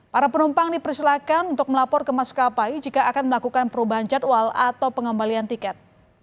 para penumpang dipersilakan untuk melapor ke maskapai jika akan melakukan perubahan jadwal atau pengembalian tiket